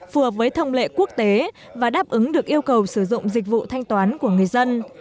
phù hợp với thông lệ quốc tế và đáp ứng được yêu cầu sử dụng dịch vụ thanh toán của người dân